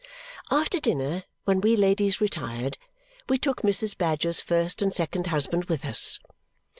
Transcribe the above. After dinner, when we ladies retired, we took Mrs. Badger's first and second husband with us.